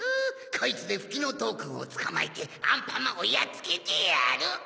こいつでふきのとうくんをつかまえてアンパンマンをやっつけてやる！